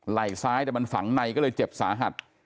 ไหล่ซ้ายแต่มันฝังในก็เลยเจ็บสาหัส